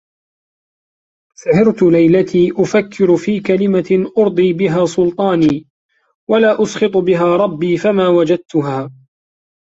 سَهِرْت لَيْلَتِي أُفَكِّرُ فِي كَلِمَةٍ أُرْضِي بِهَا سُلْطَانِي وَلَا أُسْخِطُ بِهَا رَبِّي فَمَا وَجَدْتهَا